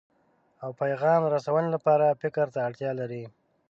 او پیغام رسونې لپاره فکر ته اړتیا لري.